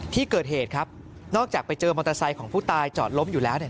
ที่เกิดเหตุครับนอกจากไปเจอมอเตอร์ไซค์ของผู้ตายจอดล้มอยู่แล้วเนี่ย